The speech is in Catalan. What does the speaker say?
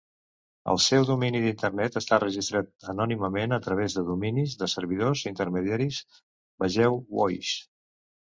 El seu domini d'Internet està registrat anònimament a través de dominis de servidors intermediaris, vegeu WHOIS.